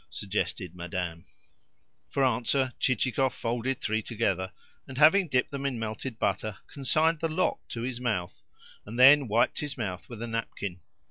suggested Madame. For answer Chichikov folded three together, and, having dipped them in melted butter, consigned the lot to his mouth, and then wiped his mouth with a napkin.